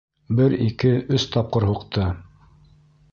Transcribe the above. Бер ике, өс тапҡыр һуҡты.